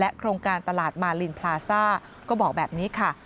โครงการตลาดมาลินพลาซ่าก็บอกแบบนี้ค่ะ